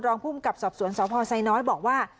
รองภูมิกับสอบสวนสพไซน้อยบอกว่า